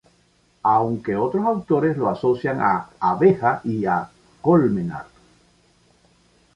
Aunque otros autores lo asocian a "abeja" y a "colmenar".